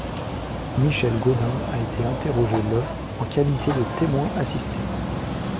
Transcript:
Michel Gaudin a été interrogé le en qualité de témoin assisté.